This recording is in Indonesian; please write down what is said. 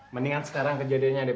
mendingan sekarang kejadiannya